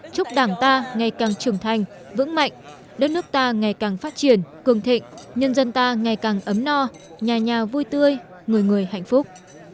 chúc đảng ta ngày càng trưởng thành vững mạnh đất nước ta ngày càng phát triển cường thịnh nhân dân ta ngày càng ấm no nhà nhà vui tươi người người hạnh phúc